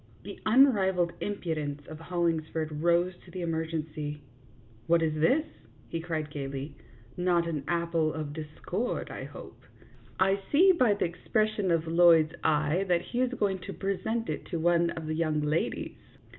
The unrivalled impudence of Hollingsford rose to the emergency. " What is this ?" he cried, gayly. "Not an apple of discord, I hope. I see by the expression of Lloyd's eye that he is going to present it to one of the young ladies."